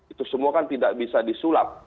itu semua kan tidak bisa disulap